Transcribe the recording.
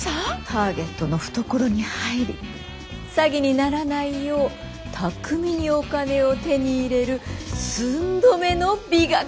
ターゲットの懐に入り詐欺にならないよう巧みにお金を手に入れる寸止めの美学。